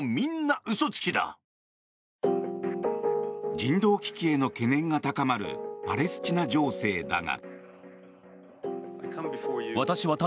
人道危機への懸念が高まるパレスチナ情勢だが。